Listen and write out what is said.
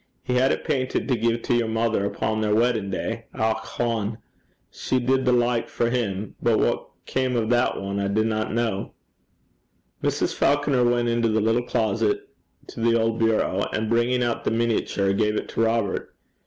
He had it paintit to gie to yer mother upo' their weddin' day. Och hone! She did the like for him; but what cam o' that ane, I dinna ken.' Mrs. Falconer went into the little closet to the old bureau, and bringing out the miniature, gave it to Robert.